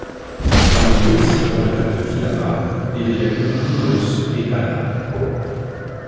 Parmi eux, citons le lac de Vilama, et les lagunes Pululos et Palar.